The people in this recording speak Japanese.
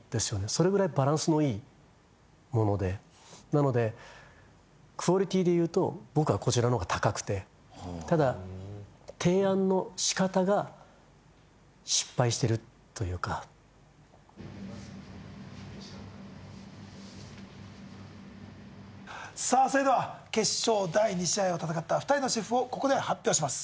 それぐらいバランスのいいものでなのでクオリティーでいうと僕はこちらのほうが高くてたださあそれでは決勝第二試合を戦った２人のシェフをここで発表します